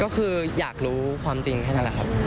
ก็คืออยากรู้ความจริงแค่นั้นแหละครับ